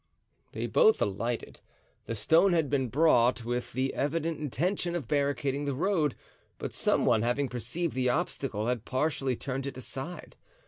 They both alighted. The stone had been brought with the evident intention of barricading the road, but some one having perceived the obstacle had partially turned it aside.